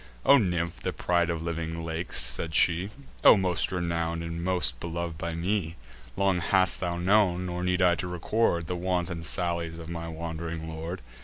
"O nymph, the pride of living lakes," said she, "O most renown'd, and most belov'd by me, Long hast thou known, nor need I to record, The wanton sallies of my wand'ring lord.